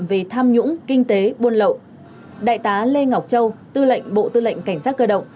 về tham nhũng kinh tế buôn lậu đại tá lê ngọc châu tư lệnh bộ tư lệnh cảnh sát cơ động